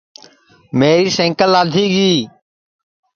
میری سینٚکل لادھی گی